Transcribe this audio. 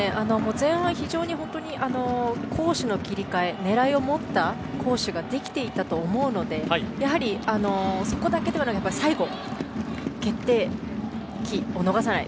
前半は非常に攻守の切り替え狙いを持った攻守ができていたと思うのでやはり、そこだけではなく最後、決定機を逃さない。